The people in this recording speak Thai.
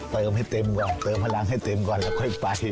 เติมให้เต็มก่อนเติมพลังให้เต็มก่อนแล้วค่อยไป